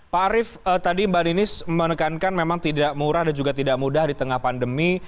pak arief tadi mbak ninis menekankan memang tidak murah dan juga tidak mudah di tengah pandemi